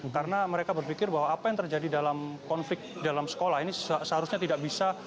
karena mereka berpikir bahwa apa yang terjadi dalam konflik dalam sekolah ini seharusnya tidak bisa